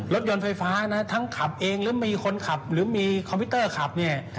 รถยนต์ไฟฟ้านะทั้งขับเองหรือมีคนขับหรือมีคอมพิวเตอร์ขับเนี่ย